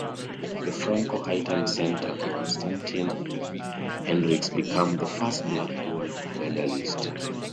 The Franco-Haitian centre Constantin Henriquez become the first black gold medallist.